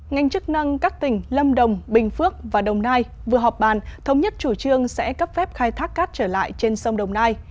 ngành chức năng các tỉnh lâm đồng bình phước và đồng nai vừa họp bàn thống nhất chủ trương sẽ cấp phép khai thác cát trở lại trên sông đồng nai